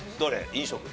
飲食？